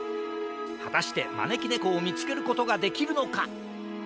はたしてまねきねこをみつけることができるのか？